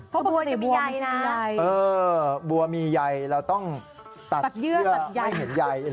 เพราะบัวจะมีใยนะเออบัวมีใยเราต้องตัดเยื่อไม่เห็นใยหรอ